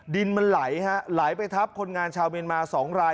ดินมันไหลฮะไหลไปทับคนงานชาวเมียนมา๒ราย